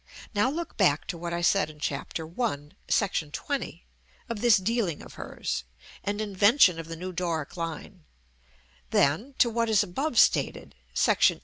Now look back to what I said in Chap. 1. § XX. of this dealing of hers, and invention of the new Doric line; then to what is above stated (§ VIII.)